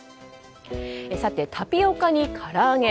さて、タピオカにから揚げ。